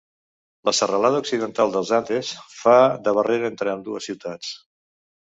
La Serralada Occidental dels Andes fa de barrera entre ambdues ciutats.